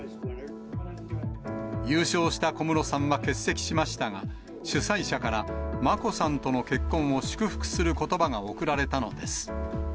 優勝した小室さんは欠席しましたが、主催者から、眞子さんとの結婚を祝福することばが送られたのです。